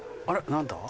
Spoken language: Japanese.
何だ？